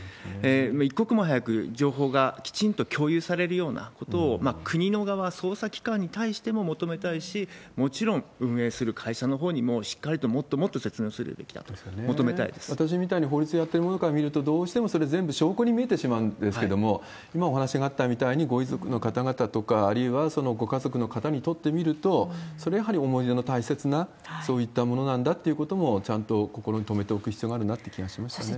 一刻も早く情報がきちんと共有されるようなことを、国の側、捜査機関に対しても求めたいし、もちろん運営する会社のほうにもしっかりともっともっと説明をす私みたいに法律やってる者から見ると、どうしてもそれ、全部証拠に見えてしまうんですけれども、今お話があったみたいに、ご遺族の方々とか、あるいはご家族の方にとってみると、それはやはり思い出の大切な、そういったものなんだっていうことも、ちゃんと心に留めておく必要があるなって気がしますね。